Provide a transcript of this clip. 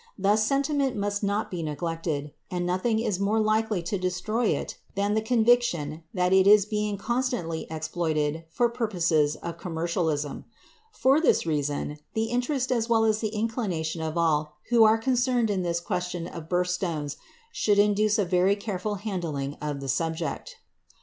Thus, sentiment must not be neglected, and nothing is more likely to destroy it than the conviction that it is being constantly exploited for purposes of commercialism. For this reason, the interest as well as the inclination of all who are concerned in this question of birth stones should induce a very careful handling of the subject.